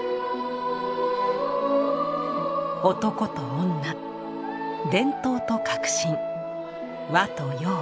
男と女伝統と革新和と洋。